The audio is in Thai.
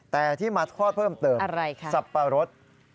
แต่ที่มาทอดเพิ่มเติมสับปะรส